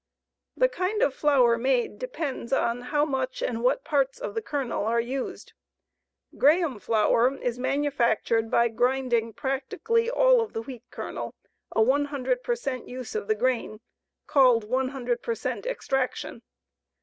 The kind of flour made depends on how much and what parts of the kernel are used. Graham flour is manufactured by grinding practically all of the wheat kernel a 100 per cent use of the grain, called 100 per cent extraction.